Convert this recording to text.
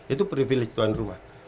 itu privilege tuan rumah